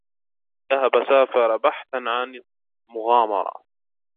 ذهب سافر بحثاً عن المغامرة.